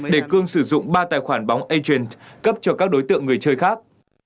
để cương sử dụng ba tài khoản bóng atiance cấp cho các đối tượng người chơi khác